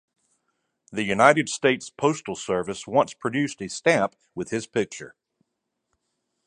The United States Postal Service once produced a stamp with his picture.